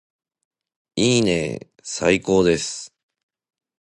いいねーー最高です